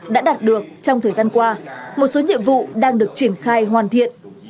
đã đạt được trong thời gian qua một số nhiệm vụ đang được triển khai hoàn thiện